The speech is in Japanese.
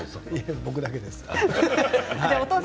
僕だけです。